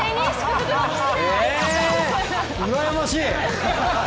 うらやましい！